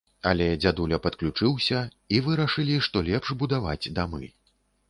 Але дзядуля падключыўся, і вырашылі, што лепш будаваць дамы.